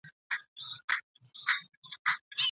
څنګه افغان صادروونکي افغاني غالۍ اروپا ته لیږدوي؟